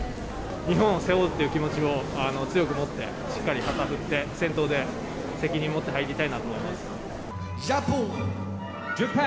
日本を背負うという気持ちを強く持って、しっかり旗振って、先頭で責任もって入りたいなと思います。